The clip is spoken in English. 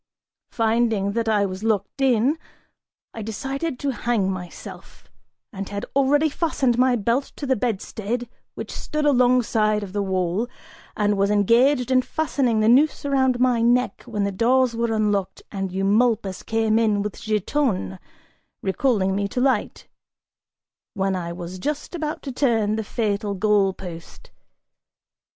Finding that I was locked in, I decided to hang myself, and had already fastened my belt to the bedstead which stood alongside of the wall, and was engaged in fastening the noose around my neck, when the doors were unlocked and Eumolpus came in with Giton, recalling me to light when I was just about to turn the fatal goal post!